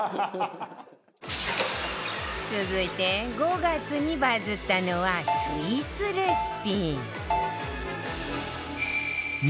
続いて５月にバズったのはスイーツレシピ